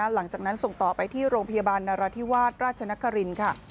หลังจากนั้นส่งต่อไปที่โรงพยาบาลนราธิวาสราชนครินทร์ค่ะ